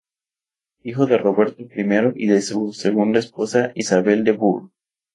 Hijo de Roberto I y de su segunda esposa, Isabel de Burgh.